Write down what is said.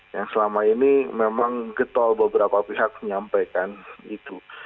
yang selama ini memang getol beberapa pihak menyampaikan itu